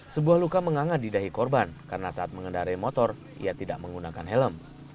sebuah luka mengangat di dahi korban karena saat mengendarai motor ia tidak menggunakan helm